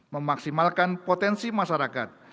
memaksimalkan potensi masyarakat